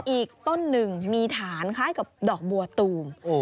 อีกต้นหนึ่งมีฐานคล้ายกับดอกบัวตูม